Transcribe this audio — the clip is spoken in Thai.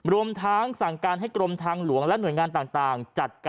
รวมทั้งสั่งการให้กรมทางหลวงและหน่วยงานต่างจัดการ